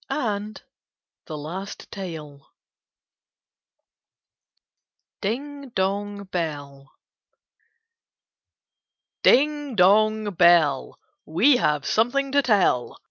70 KITTENS AND CATS DING, DONG, BELL Ding, dong, bell ! We have something to tell!